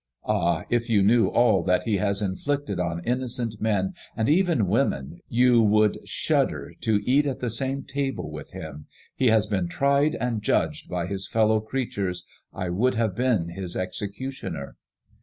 Ah ! if you knew all that he has inflicted on inno cent men, and even women, you would shudder to eat at the same table with him. He has been tried and judged by his fellow creatures ; I would have been his executioner."